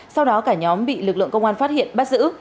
sau đó cả nhóm bị lực lượng công an phát hiện bắt giữ